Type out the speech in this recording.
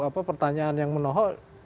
pertanyaan yang menohok